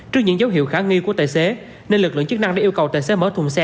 trước những dấu hiệu khả nghi của tài xế nên lực lượng chức năng đã yêu cầu tài xế mở thùng xe